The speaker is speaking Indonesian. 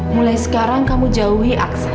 mulai sekarang kamu jauhi akses